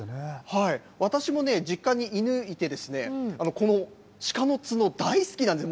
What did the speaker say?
私もね、実家に犬いてですね、このシカの角、大好きなんです。